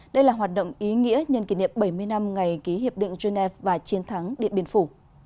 đây là hoạt động ý nghĩa nhân kỷ niệm bảy mươi năm ngày ký hiệp định genève và chiến thắng điện biên phủ